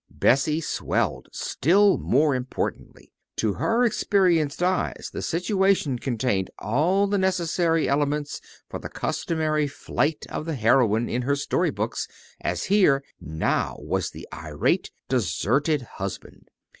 Bessie swelled still more importantly. To her experienced eyes the situation contained all the necessary elements for the customary flight of the heroine in her story books, as here, now, was the irate, deserted husband.